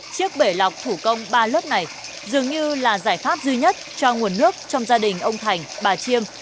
chiếc bể lọc thủ công ba lớp này dường như là giải pháp duy nhất cho nguồn nước trong gia đình ông thành bà chiêm